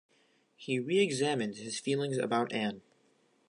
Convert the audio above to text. He re-examines his feelings about Anne.